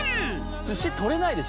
寿司取れないでしょ